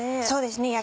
そうですね。